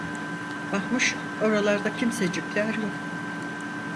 Bakmış oralarda kimsecikler yok…